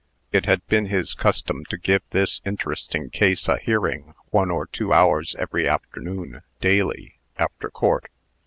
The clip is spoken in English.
It had been his custom to give this interesting case a hearing one or two hours every afternoon, daily, after court.